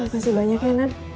makasih banyak ya nan